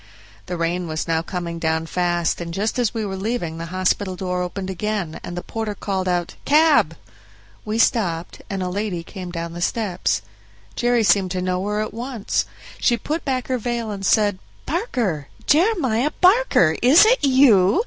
The rain was now coming down fast, and just as we were leaving the hospital the door opened again, and the porter called out, "Cab!" We stopped, and a lady came down the steps. Jerry seemed to know her at once; she put back her veil and said, "Barker! Jeremiah Barker, is it you?